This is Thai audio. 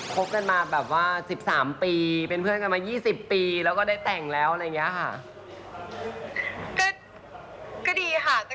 คบกันมาแบบว่า๑๓ปีเป็นเพื่อนกันมา๒๐ปีแล้วก็ได้แต่งแล้วอะไรอย่างนี้ค่ะ